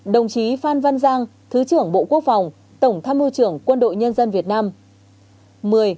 đồng chí phan văn giang thứ trưởng bộ quốc phòng tổng tham mưu trưởng quân đội nhân dân việt nam